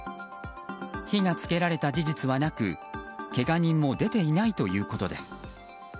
火が付けられた事実はなくけが人も出ていないということです。